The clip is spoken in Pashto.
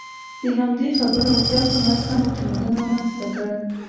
د همدې خبرو او خیال په مرسته مو تمدن رامنځ ته کړ.